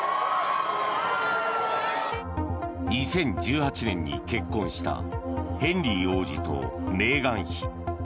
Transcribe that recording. ２０１８年に結婚したヘンリー王子とメーガン妃。